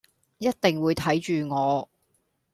一定會睇住我